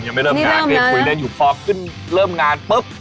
เฮ้ยคุยได้อยู่คลอกคึ้นเริ่มงานปิ๊บ